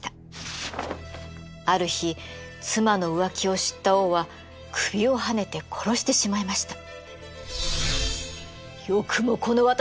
ある日妻の浮気を知った王は首をはねて殺してしまいました。